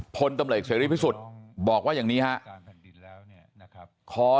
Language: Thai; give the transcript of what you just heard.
พลตำเหล่ยเสร็จเร็วที่สุดบอกว่าอย่างนี้ฮะนะครับ